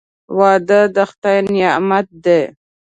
• واده د خدای نعمت دی.